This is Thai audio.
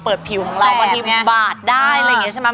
ผิวของเราบางทีบาดได้อะไรอย่างนี้ใช่ไหม